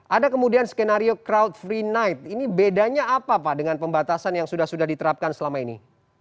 ada kemudian skenario crowd free night ini bedanya apa pak dengan pembatasan yang sudah sudah diterapkan selama ini